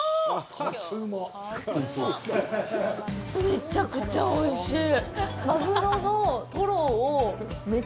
めちゃくちゃおいしい。